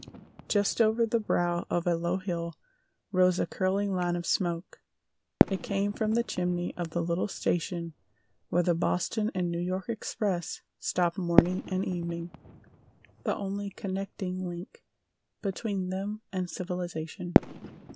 Just over the brow of a low hill rose a curling line of smoke. It came from the chimney of the little station where the Boston and New York Express stopped morning and evening, the only connecting link between them and civilization.